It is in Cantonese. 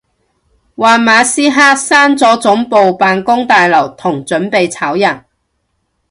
話馬斯克閂咗總部辦公大樓同準備炒人